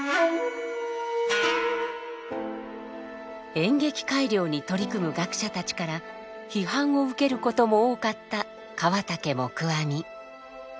演劇改良に取り組む学者たちから批判を受けることも多かった河竹黙阿弥。